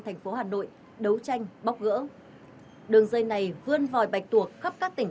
thành phố hà nội đấu tranh bóc gỡ đường dây này vươn vòi bạch tuộc khắp các tỉnh